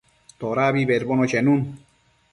Todabi bedbono chenun